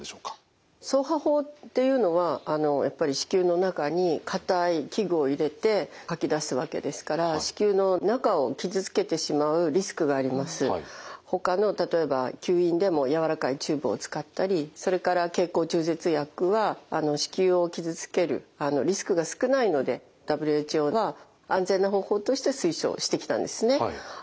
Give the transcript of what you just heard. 掻爬法っていうのはやっぱり子宮の中に硬い器具を入れてかき出すわけですからほかの例えば吸引でもやわらかいチューブを使ったりそれから経口中絶薬は子宮を傷つけるリスクが少ないのでＷＨＯは安全な方法として推奨してきたんですね。